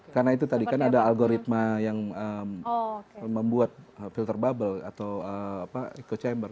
karena itu tadi kan ada algoritma yang membuat filter bubble atau echo chamber